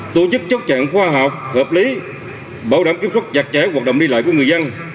tổ chức chất trạng khoa học hợp lý bảo đảm kiểm soát giặt trẻ hoạt động đi lại của người dân